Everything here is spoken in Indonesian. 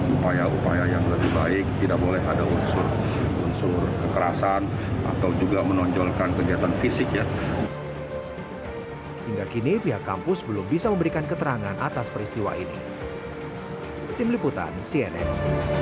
upaya upaya yang lebih baik tidak boleh ada unsur unsur kekerasan atau juga menonjolkan kegiatan fisiknya